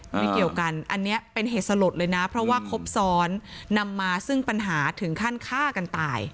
ไม่เกี่ยวกันอันนี้เป็นเหตุสลดเลยนะเพราะว่าครบซ้อนนำมาซึ่งปัญหาถึงขั้นฆ่ากันตาย